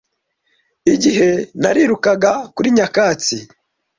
igihe narirukaga kuri nyakatsi